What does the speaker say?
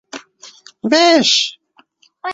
Har kim — eliga